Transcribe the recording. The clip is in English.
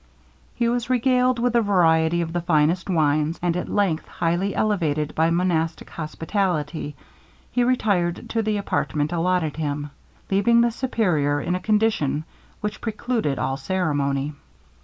He was regaled with a variety of the finest wines, and at length, highly elevated by monastic hospitality, he retired to the apartment allotted him, leaving the Superior in a condition which precluded all ceremony.